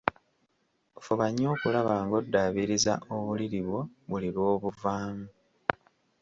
Fuba nnyo okulaba ng'oddaabiriza obuliri bwo buli lw‘obuvaamu.